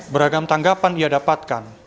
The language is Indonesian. beragam tanggapan ia dapatkan